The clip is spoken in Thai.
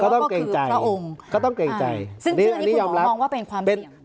ก็ต้องเกรงใจซึ่งคืออันนี้คุณหมอมองว่าเป็นความเหลี่ยม